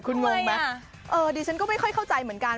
คุณงงไหมเออดิฉันก็ไม่ค่อยเข้าใจเหมือนกัน